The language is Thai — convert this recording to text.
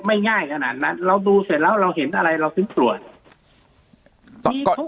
ง่ายขนาดนั้นเราดูเสร็จแล้วเราเห็นอะไรเราถึงตรวจ